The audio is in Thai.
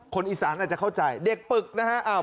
คนอิสรันไลน์อาจจะเข้าใจเด็กปึกนะคะ